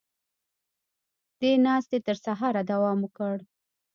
دې ناستې تر سهاره دوام وکړ.